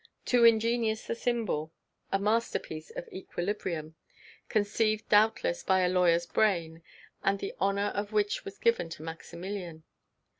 Too ingenious the symbol, a masterpiece of equilibrium, conceived doubtless by a lawyer's brain, and the honour of which was given to Maximilien.